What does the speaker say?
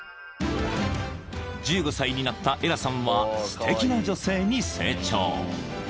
［１５歳になったエラさんはすてきな女性に成長］